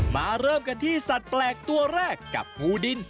มาเริ่มกันที่สัตว์แปลกตัวแรกกับงูดิน